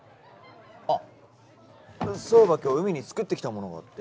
あっそういえば今日うみに作ってきたものがあって。